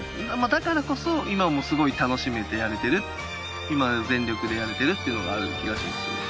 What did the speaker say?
だからこそ今もすごく楽しめてやれている今全力でやれているっていうのがある気がしますね。